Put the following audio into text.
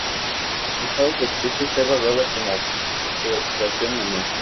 El estado de la especie está evaluado como preocupación menor.